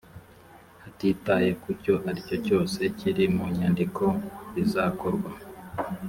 hatitaye ku cyo ari cyo cyose kiri mu nyandiko bizakorwa